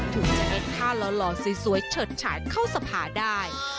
ถึงจะเอ็ดท่าหล่อสวยเฉิดฉายเข้าสภาได้